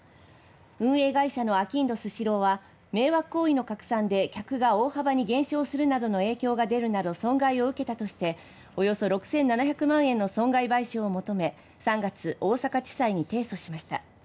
運営会社のあきんどスシローは迷惑行為の拡散で客が大幅に減少するなどの影響が出るなど損害を受けたとしておよそ６７００万円の損害賠償を求め３月、大阪地裁に提訴しました。